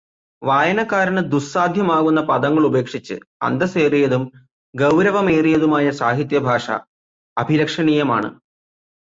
വായനക്കാരന് ദുസ്സാദ്ധ്യമാക്കുന്ന പദങ്ങളുപേക്ഷിച്ച് അന്തസ്സേറിയതും ഗൗരവമേറിയതുമായ സാഹിത്യഭാഷ അഭിലഷണീയമാണ്.